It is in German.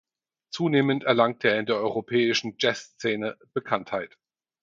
Zunehmend erlangte er in der europäischen Jazzszene Bekanntheit.